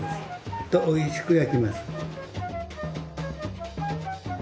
おいしく焼けます。